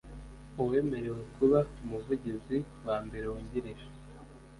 Uwemerewe kuba umuvugizi wa mbere wungirije